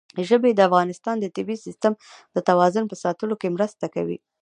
ژبې د افغانستان د طبعي سیسټم د توازن په ساتلو کې مرسته کوي.